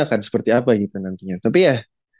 akan seperti apa gitu nantinya tapi ya